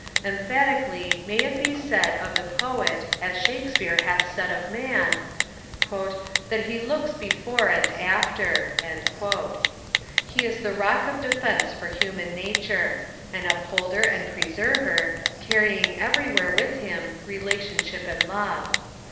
Emphatically may it be said of the Poet, as Shakespeare hath said of man, 'that he looks before and after.' He is the rock of defence for human nature; an upholder and preserver, carrying everywhere with him relationship and love.